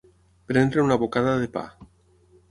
Prendre una bocada de pa.